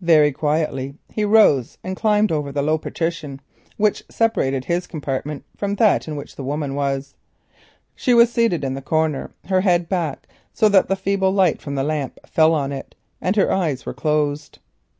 Very quietly he rose and climbed over the low partition which separated his compartment from that in which the woman was. She was seated in the corner, her head leaning back, so that the feeble light from the lamp fell on it, and her eyes were closed.